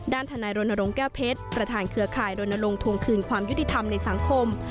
ทนายรณรงค์แก้วเพชรประธานเครือข่ายรณรงควงคืนความยุติธรรมในสังคม